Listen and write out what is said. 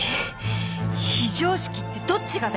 非常識ってどっちがだよ！？